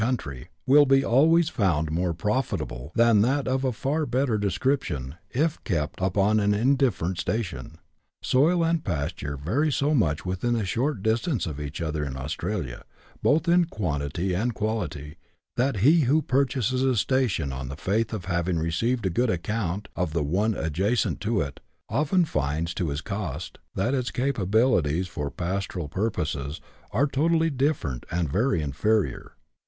[chap, xiv, try will be always found more profitable than that of a far better description if kept upon an indifferent station. Soil and pasture vary so much within a short distance of each other in Australia, both in quantity and quality, that he who purchases a station on the faith of having received a good account of the one adjacent to it, often finds to his cost that its capabilities for pastoral pur poses are totally different and very inferior.